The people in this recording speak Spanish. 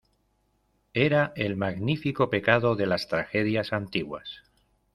era el magnífico pecado de las tragedias antiguas.